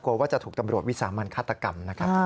ว่าจะถูกตำรวจวิสามันฆาตกรรมนะครับ